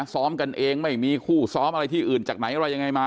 ซ้อมกันเองไม่มีคู่ซ้อมอะไรที่อื่นจากไหนอะไรยังไงมา